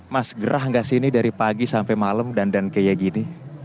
mas gerah gak sini dari pagi sampai malam dandan kayak gini